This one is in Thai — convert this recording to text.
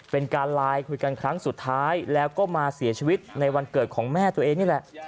เป็นการไลน์คุยกันครั้งสุดท้ายแล้วก็มาเสียชีวิตในวันเกิดของแม่ตัวเองนี่แหละ